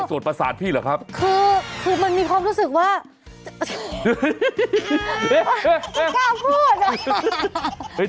โอ้โหคือมันมีความรู้สึกว่าโอ้โหไม่กล้าพูด